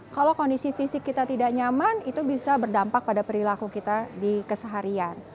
kalau kondisi fisik kita tidak nyaman itu bisa berdampak pada perilaku kita di keseharian